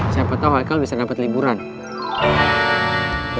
siapa tau haika bisa dapet pesantren lama haika